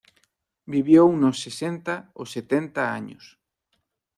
Vivió unos sesenta o setenta años.